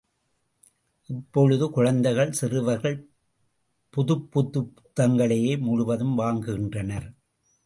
இப்பொழுது குழந்தைகள் சிறுவர்கள் புதுப்புத்தகங்களையே முழுவதும் வாங்குகின்றனர்.